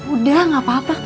udah gak apa apa